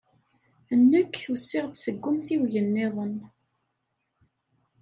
Nekk usiɣ-d seg umtiweg niḍen.